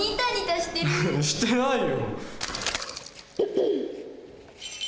してないよ。